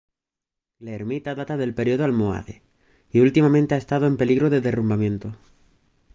La ermita data del período almohade y últimamente ha estado en peligro de derrumbamiento.